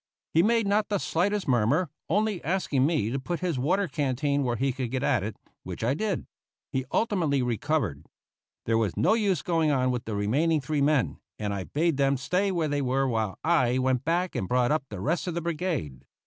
He made not the slightest murmur, only asking me to put his water canteen where he could get at it, which I did; he ultimately recovered. There was no use going on with the remaining three men, and I bade them stay where they were while I went back and brought up the rest of the brigade.